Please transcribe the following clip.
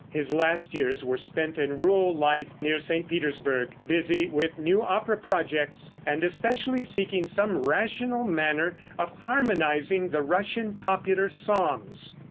His last years were spent in rural life near St. Petersburgh, busy with new opera projects, and especially seeking some rational manner of harmonizing the Russian popular songs.